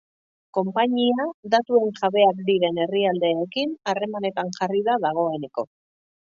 Konpainia datuen jabeak diren herrialdeekin harremanetan jarri da dagoeneko.